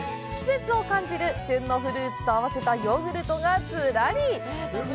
季節を感じる旬のフルーツと合わせたヨーグルトがずらり！